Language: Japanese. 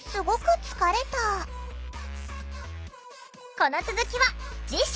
この続きは次週！